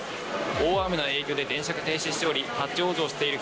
大雨の影響で電車が停止しており、立往生している